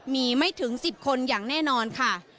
มีไม่ถึง๑๐คนอย่างแน่นอนค่ะ